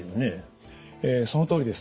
そのとおりです。